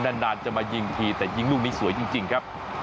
นานจะมายิงทีแต่ยิงลูกนี้สวยจริงครับ